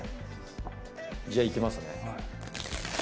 じゃあ、いきますね。